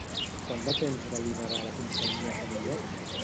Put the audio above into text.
Quant de temps va liderar la companyia familiar?